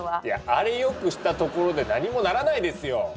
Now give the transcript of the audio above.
いやあれ良くしたところで何もならないですよ。